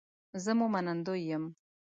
زه مو منندوی یم